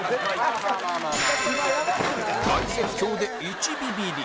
大絶叫で１ビビリ